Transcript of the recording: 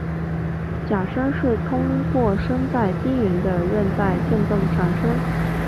假声是通过声带边缘的韧带振动产生。